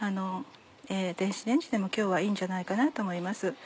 電子レンジでも今日はいいんじゃないかなと思います。